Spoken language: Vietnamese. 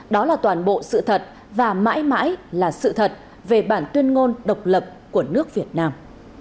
đó là toàn bộ sự thật và mãi mãi là sự thật về bản tuyên ngôn độc lập của nước việt nam